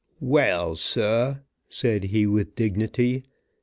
"Well, sah," said he with dignity.